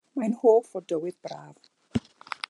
Mae'n hoff o dywydd braf.